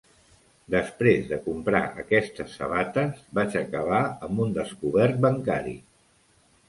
Després de comprar aquestes sabates, vaig acabar amb un descobert bancari